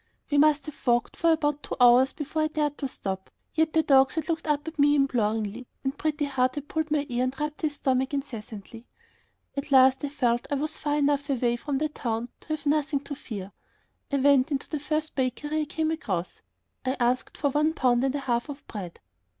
We must have walked for about two hours before I dared to stop, and yet the dogs had looked up at me imploringly and Pretty Heart had pulled my ear and rubbed his stomach incessantly. At last I felt that I was far enough away from the town to have nothing to fear. I went into the first bakery that I came across. I asked for one pound and a half of bread.